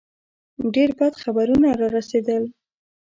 ډېر بد خبرونه را رسېدل.